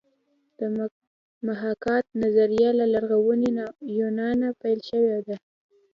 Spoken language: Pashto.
د محاکات نظریه له لرغوني یونانه پیل شوې ده